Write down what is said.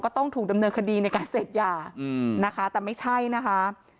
ต้องถูกดำเนินคดีในการเสพยานะคะแต่ไม่ใช่นะคะ